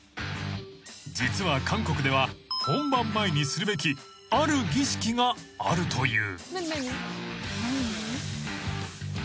［実は韓国では本番前にするべきある儀式があるという］